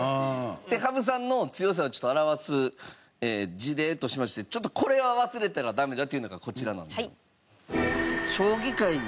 で羽生さんの強さを表す事例としましてちょっとこれは忘れたらダメだというのがこちらなんですよ。